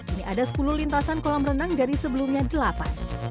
ini ada sepuluh lintasan kolam renang dari sebelumnya delapan